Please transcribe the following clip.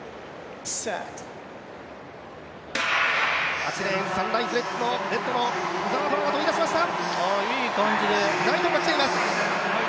８レーン、サンライズレッドの鵜澤飛羽が飛び出しました。